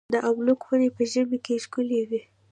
د املوک ونې په مني کې ښکلې وي.